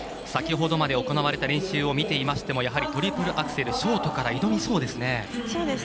先ほどまで行われた練習を見ていましてもやはり、トリプルアクセルショートから挑みそうですね。